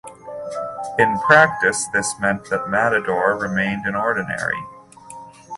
In practice this meant that "Matador" remained in ordinary.